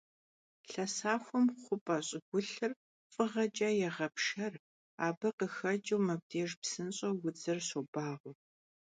Лъэсахуэм хъупӀэ щӀыгулъыр фыгъэкӀэ егъэпшэр, абы къыхэкӀыу мыбдеж псынщӀэу удзыр щобагъуэ.